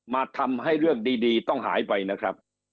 มาทำให้เรื่องดีต้องหายไปนะครับ